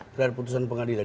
terhadap putusan pengadilan